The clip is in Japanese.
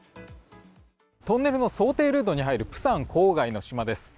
トンネルの想定ルートに入る釜山郊外の島です。